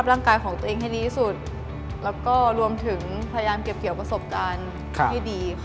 และรวมถึงพยายามเกี่ยวประสบการณ์ให้ดี